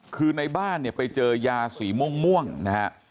คือในบ้านเนี่ยไปเจอยาสีม่วงนะฮะ